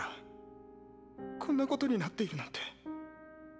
こんなことになっているなんて。